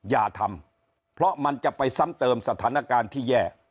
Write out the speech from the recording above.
อย่าทำเพราะมันจะไปซ้ำเติมสถานการณ์ที่แย่